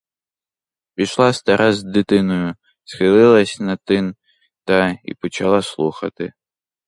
Пішла стара з дитиною, схилилась на тин та й почала слухати.